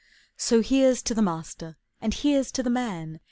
So here's to the master, And here's to the man!